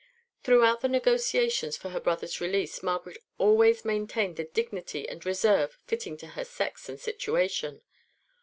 (1) Throughout the negotiations for her brother's release Margaret always maintained the dignity and reserve fitting to her sex and situation.